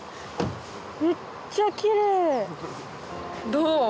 どう？